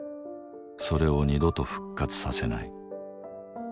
それを二度と復活させない